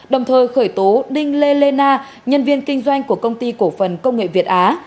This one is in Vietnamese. đồng thời khởi tố đinh lê lê na nhân viên kinh doanh của công ty cổ phần công nghệ việt á